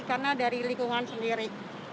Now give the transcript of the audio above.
karena dari lingkungan sendiri